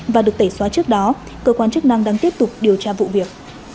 và được tẩy xóa trước đó cơ quan chức năng đang tiếp tục điều tra vụ việc